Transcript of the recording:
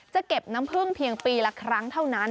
จะเก็บน้ำพึ่งเพียงปีละครั้งเท่านั้น